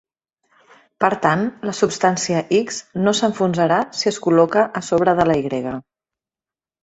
Per tant, la substància X no s'enfonsarà si es col·loca a sobre de la Y.